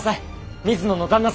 水野の旦那様！